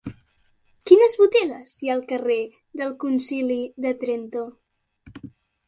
Quines botigues hi ha al carrer del Concili de Trento?